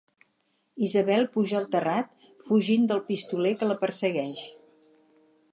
Isabel puja al terrat fugint del pistoler que la persegueix.